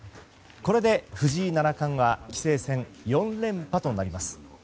これで藤井七冠は棋聖戦４連覇となります。